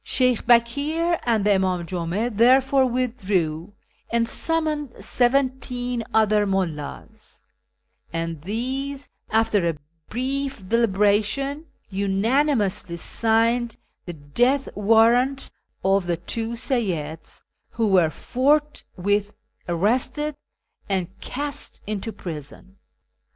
*" Sheykh Bakir and the Inidm Jum a therefore withdrew, and summoned seventeen other mnllds ; and these, after a brief deliberation, unanimously signed the death warrant of the two Seyyids, who were forthwith arrested and cast into prison.